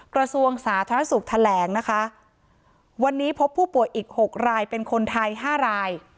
กระทรวงสาธารณสุขแถลงนะคะวันนี้พบผู้ป่วยอีกหกรายเป็นคนไทย๕ราย